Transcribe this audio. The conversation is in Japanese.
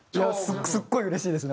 すごいうれしいですね。